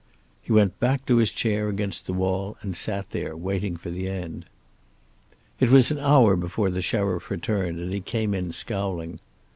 He went back to his chair against the wall and sat there, waiting for the end. It was an hour before the sheriff returned, and he came in scowling.